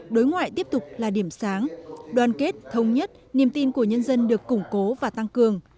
đối ngoại tiếp tục là điểm sáng đoàn kết thống nhất niềm tin của nhân dân được củng cố và tăng cường